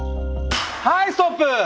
はいストップ！